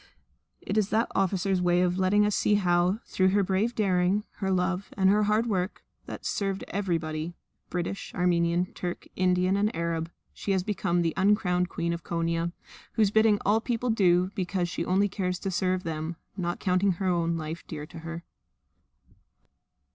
It is that officer's way of letting us see how, through her brave daring, her love, and her hard work, that served everybody, British, Armenian, Turk, Indian, and Arab, she has become the uncrowned Queen of Konia, whose bidding all the people do because she only cares to serve them, not counting her own life dear to her.